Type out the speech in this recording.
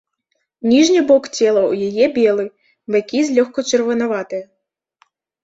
Ніжні бок цела ў яе белы, бакі злёгку чырванаватыя.